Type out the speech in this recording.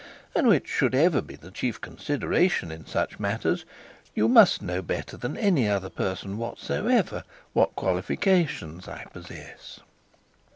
And, which should ever be the chief consideration in such matters, you must know better than any other person whatsoever what qualifications I possess.'